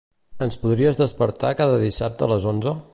Ens podries despertar cada dissabte a les onze?